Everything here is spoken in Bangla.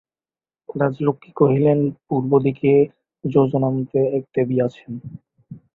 রাজলক্ষ্মী কহিলেন, পূর্ব দিকে যোজনান্তে এক দেবী আছেন।